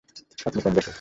আপনি কোন দেশের?